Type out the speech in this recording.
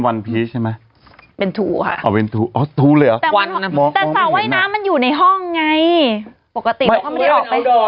ทรงนี่เสื้อหนูแค่เนี้ยเองเห็นป่ะ